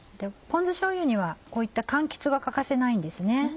ポン酢しょうゆにはこういった柑橘が欠かせないんですね。